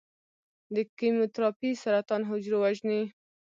د کیموتراپي سرطان حجرو وژني.